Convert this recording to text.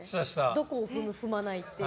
どこを踏む、踏まないっていう。